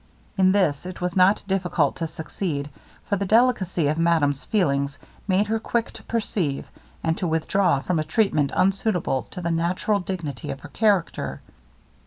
In this it was not difficult to succeed; for the delicacy of madame's feelings made her quick to perceive, and to withdraw from a treatment unsuitable to the natural dignity of her character.